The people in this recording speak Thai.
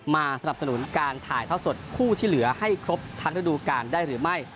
สนับสนุนการถ่ายท่อสดคู่ที่เหลือให้ครบทั้งฤดูการได้หรือไม่